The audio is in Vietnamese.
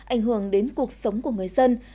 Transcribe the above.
ảnh hưởng đến cuộc sống của người dân